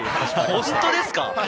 本当ですか？